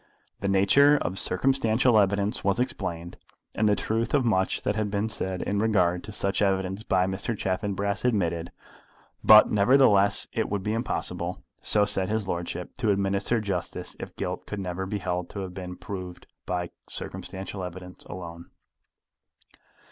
The nature of circumstantial evidence was explained, and the truth of much that had been said in regard to such evidence by Mr. Chaffanbrass admitted; but, nevertheless, it would be impossible, so said his lordship, to administer justice if guilt could never be held to have been proved by circumstantial evidence alone.